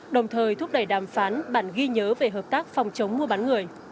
đồng thời thúc đẩy đàm phán bản ghi nhớ về hợp tác phòng chống mua bán người